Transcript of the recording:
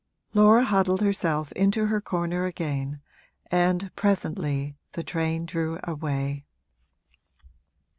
Laura huddled herself into her corner again and presently the train drew away.